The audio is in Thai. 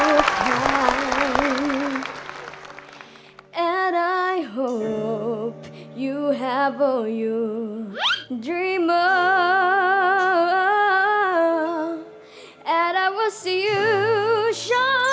แม่ชอบเพลงสากลด้วยค่ะ